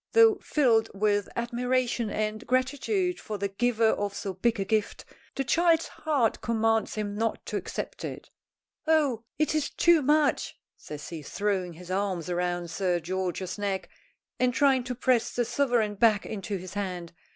Though filled with admiration and gratitude for the giver of so big a gift, the child's heart commands him not to accept it. "Oh, it is too much," says he, throwing his arms round Sir George's neck and trying to press the sovereign back into his hand.